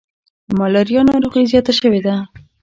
ملاریا ناروغي زیاته شوي ده.